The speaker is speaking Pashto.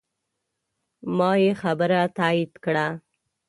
ما یې خبره تایید کړه.